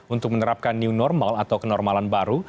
untuk menerapkan new normal atau kenormalan baru